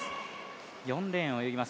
４レーンを泳ぎます